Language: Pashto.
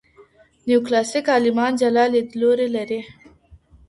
نیوکلاسیک عالمان جلا لیدلوری لري.